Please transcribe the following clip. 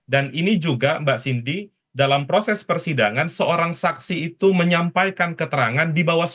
dan ini juga mbak sindi dalam proses persidangan seorang saksi itu menyampaikan keterangan